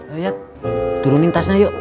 ayat turunin tasnya yuk